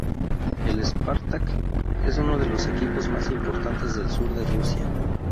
El Spartak es uno de los equipos más importantes del sur de Rusia.